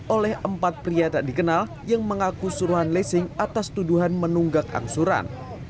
oleh empat pria tak dikenal yang mengaku suruhan lesing atas tuduhan menunggak angsuran